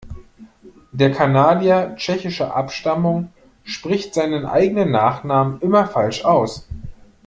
Der Kanadier tschechischer Abstammung spricht seinen eigenen Nachnamen immer falsch aus.